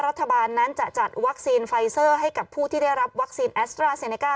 รัฐบาลนั้นจะจัดวัคซีนไฟเซอร์ให้กับผู้ที่ได้รับวัคซีนแอสตราเซเนก้า